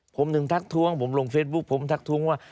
ผมถึงทักท้วงผมลงเฟซบุ๊คผมทักท้วงว่า